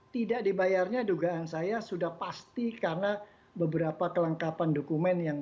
tidak dibayarnya dugaan saya sudah pasti karena beberapa kelengkapan dokumen yang